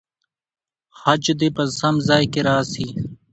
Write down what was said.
خج دې په سم ځای کې راسي.